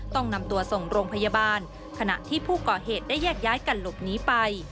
ต้องนำตัวส่งโรงพยาบาลขณะที่ผู้ก่อเหตุได้แยกย้ายกันหลบหนีไป